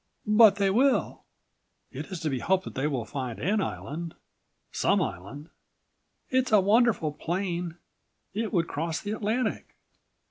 "But they will." "It is to be hoped that they will find an island—some island." "It's a wonderful plane. It would cross the Atlantic!"